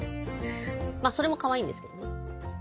それもかわいいんですけどね。